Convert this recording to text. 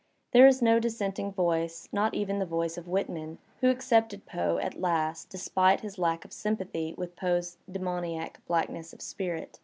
There is no dissenting voice, not even the voice of Whitman, who ac cepted Poe at last despite his lack of sympathy with Poe*s demoniac blackness of spirit.